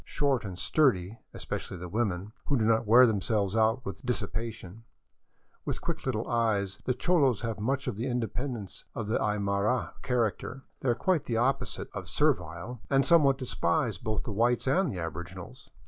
Short and sturdy — especially the women, who do not wear themselves out with dissipation — with quick little eyes, the cholos have much of the independence of the Aymara character; they are quite the oppo 501 VAGABONDING DOWN THE ANDES site of servile, and somewhat despise both the whites and the aboriginals.